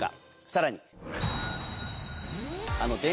さらに。